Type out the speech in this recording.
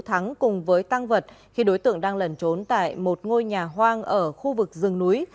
công an huyện văn lãng đã thắng cùng với tăng vật khi đối tượng đang lần trốn tại một ngôi nhà hoang ở khu vực rừng núi